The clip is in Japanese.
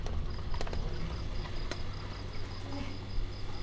ごめんねいえ